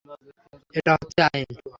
এটা হচ্ছে আইন।